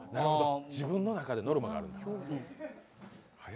自分の中でノルマがあるんだ。